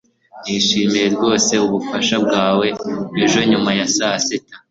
nishimiye rwose ubufasha bwawe ejo nyuma ya saa sita